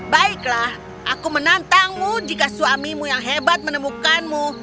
baiklah aku menantangmu jika suamimu yang hebat menemukanmu